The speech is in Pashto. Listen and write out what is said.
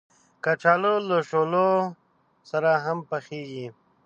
کچالو له شولو سره هم پخېږي